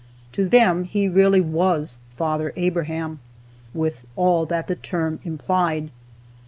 To them he really was "Father Abraham," with all that the term implied.